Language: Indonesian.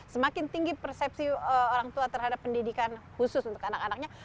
semakin tinggi persepsi orang tua terhadap pendidikan khusus untuk anak anaknya